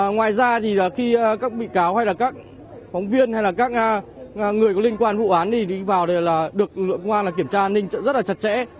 ngoài ra khi các bị cáo hay các phóng viên hay các người có liên quan vụ án vào được lưu lượng công an kiểm tra an ninh rất chặt chẽ